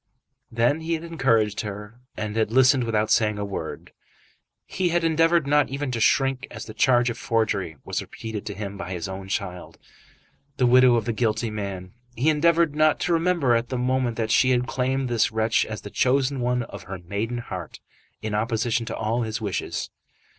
Then he had encouraged her, and had listened without saying a word. He had endeavoured not even to shrink as the charge of forgery was repeated to him by his own child, the widow of the guilty man. He endeavoured not to remember at the moment that she had claimed this wretch as the chosen one of her maiden heart, in opposition to all his wishes.